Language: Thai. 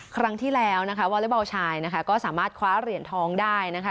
ครั้งที่แล้วนะคะวอเล็กบอลชายนะคะก็สามารถคว้าเหรียญทองได้นะคะ